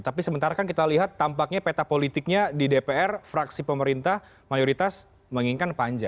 tapi sementara kan kita lihat tampaknya peta politiknya di dpr fraksi pemerintah mayoritas menginginkan panja